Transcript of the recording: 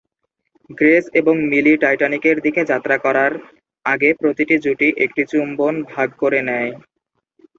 Grace এবং Millie টাইটানিকের দিকে যাত্রা করার আগে প্রতিটি জুটি একটি চুম্বন ভাগ করে নেয়।